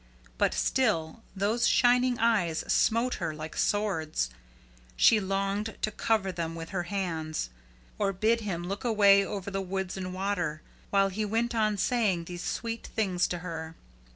But still those shining eyes smote her like swords. She longed to cover them with her hands; or bid him look away over the woods and water, while he went on saying these sweet things to her.